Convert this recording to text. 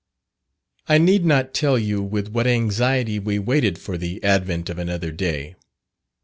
I need not tell you with what anxiety we waited for the advent of another day.